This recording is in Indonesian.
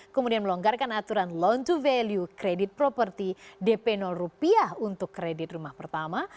kemudian melonggarkan aturan loan to value kredit properti dp rupiah untuk kredit rumah pertama